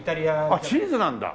あっチーズなんだ！